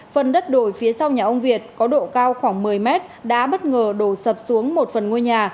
phần đất đổi phía sau nhà ông việt có độ cao khoảng một mươi mét đã bất ngờ đổ sập xuống một phần ngôi nhà